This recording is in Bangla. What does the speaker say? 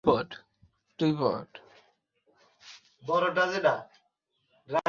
যৌনকর্মী তুলনামূলকভাবে একটি নতুন শব্দ যা দিয়ে দেহব্যবসায় জড়িত ব্যক্তিদের বোঝানো হয়ে থাকে।